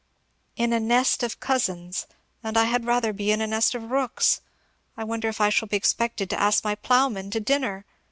"In a nest of cousins; and I had rather be in a nest of rooks. I wonder if I shall be expected to ask my ploughmen to dinner!